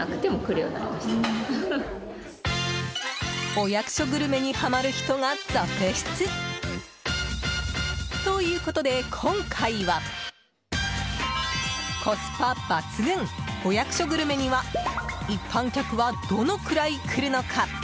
お役所グルメにハマる人が続出！ということで今回はコスパ抜群お役所グルメには一般客はどのぐらい来るのか？